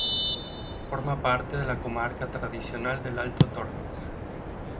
Forma parte de la comarca tradicional del Alto Tormes.